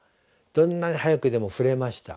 どんなに速くでも振れました。